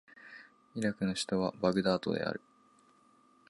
イラクの首都はバグダードである